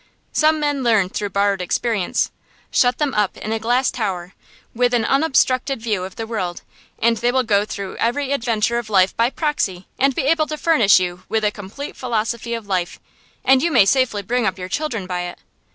Some men learn through borrowed experience. Shut them up in a glass tower, with an unobstructed view of the world, and they will go through every adventure of life by proxy, and be able to furnish you with a complete philosophy of life; and you may safely bring up your children by it.